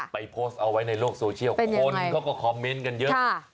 โพสต์เอาไว้ในโลกโซเชียลคนเขาก็คอมเมนต์กันเยอะ